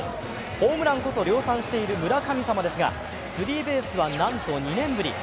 ホームランこそ量産している村神様ですがスリーベースは、なんと２年ぶり。